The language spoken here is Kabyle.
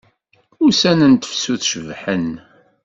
Ussan n tefsut cebḥen.